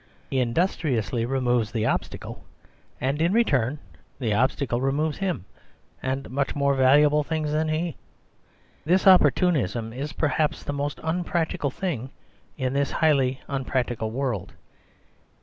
He industriously removes the obstacle; and in return the obstacle removes him, and much more valuable things than he. This oppor tunism is perhaps the most unpractical thing in this highly unpractical world.